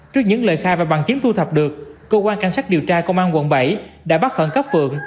trước những lời khai và bằng chứng thu thập được cơ quan cảnh sát điều tra công an quận bảy đã bắt khẩn cấp phượng